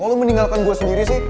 kalo lo meninggalkan gue sendiri sih